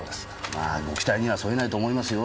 まあご期待にはそえないと思いますよ。